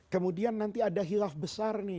kemudian nanti ada hilaf besar nih